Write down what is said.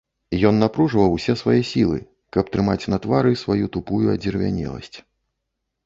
Ён напружваў усе свае сілы, каб трымаць на твары сваю тупую адзервянеласць.